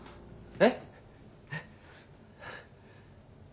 えっ？